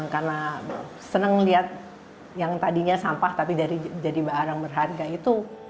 karena senang melihat yang tadinya sampah tapi jadi barang berharga itu